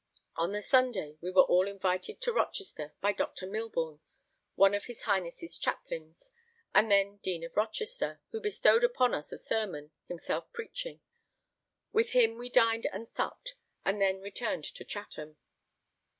On the Sunday we were all invited to Rochester by Doctor Milbourne, one of his Highness' chaplains, and then Dean of Rochester, who bestowed upon us a sermon, himself preaching; with him we dined and supped, and then returned to Chatham.